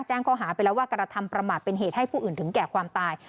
แจ้งข้อหาไปแล้วว่ากระทำประมาทเป็นเหตุให้ผู้อื่นถึงแก่ความตาย